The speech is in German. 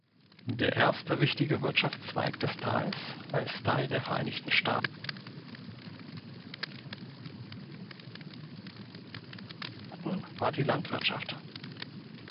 Der erste wichtige Wirtschaftszweig des Tals als Teil der Vereinigten Staaten war die Landwirtschaft.